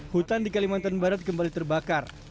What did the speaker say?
hutan di kalimantan barat kembali terbakar